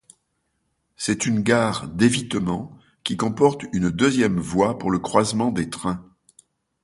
C'est une gare d'évitement qui comporte une deuxième voie pour le croisement des trains.